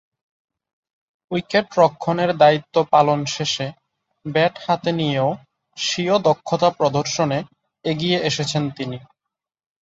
উইকেট-রক্ষণের দায়িত্ব পালন শেষে ব্যাট হাতে নিয়েও স্বীয় দক্ষতা প্রদর্শনে এগিয়ে এসেছেন তিনি।